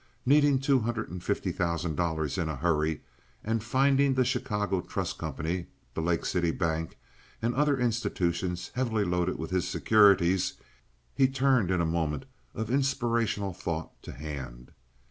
Needing two hundred and fifty thousand dollars in a hurry, and finding the Chicago Trust Company, the Lake City Bank, and other institutions heavily loaded with his securities, he turned in a moment of inspirational thought to Hand.